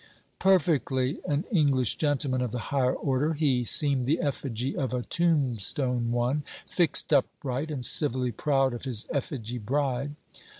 Perfectly an English gentleman of the higher order, he seemed the effigy of a tombstone one, fixed upright, and civilly proud of his effigy bride.